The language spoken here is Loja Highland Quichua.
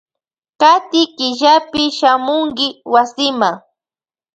Kati killapi shamunki wasima.